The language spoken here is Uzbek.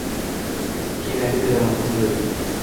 Keyin aytib beraman qizim dedi